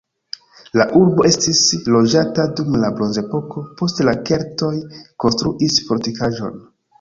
La urbo estis loĝata dum la bronzepoko, poste la keltoj konstruis fortikaĵon.